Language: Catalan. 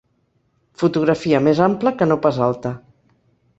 Fotografia més ampla que no pas alta.